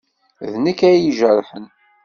D nekk ay ijerḥen.